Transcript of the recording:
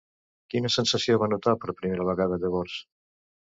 Quina sensació va notar per primera vegada llavors?